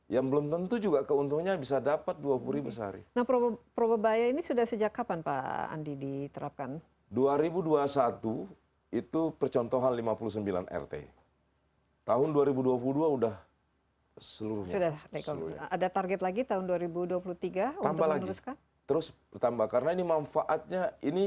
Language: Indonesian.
yang mendapatkan manfaatnya